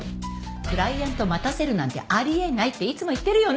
クライアント待たせるなんてあり得ないっていつも言ってるよね？